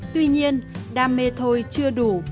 tuy nhiên đam mê thôi chưa đủ